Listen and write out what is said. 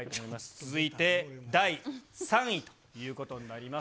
続いて第３位ということになります。